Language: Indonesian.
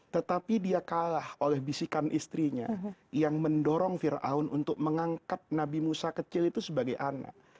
tetapi dia kalah oleh bisikan istrinya yang mendorong ⁇ firaun ⁇ untuk mengangkat nabi musa kecil itu sebagai anak